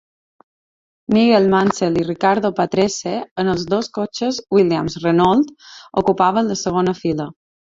Nigel Mansell i Riccardo Patrese, en els dos cotxes Williams-Renault, ocupaven la segona fila.